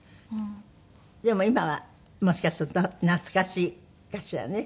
でも今はもしかすると懐かしいかしらね？